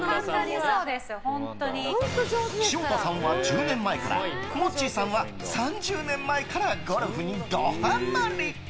潮田さんは１０年前からモッチーさんは３０年前からゴルフにドハマリ。